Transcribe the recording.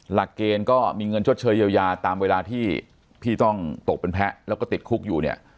หลักเกณฑ์ก็มีเงินชดเชยเยียวยาตามเวลาที่พี่ต้องตกเป็นแพ้แล้วก็ติดคุกอยู่เนี่ย